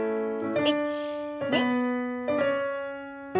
１２。